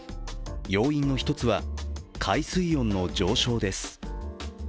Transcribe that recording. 要因の一つは海水温の上昇です。